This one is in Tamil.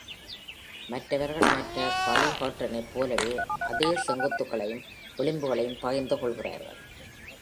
மற்றவர்கள் மற்ற பாலிஹெட்ரானைப் போலவே அதே செங்குத்துகளையும் விளிம்புகளையும் பகிர்ந்து கொள்கிறார்கள்.